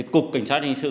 cục cảnh sát hình sự